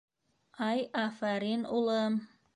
— Ай афарин, улым!